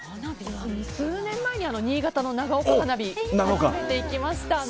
数年前に新潟の長岡花火に初めて行きました。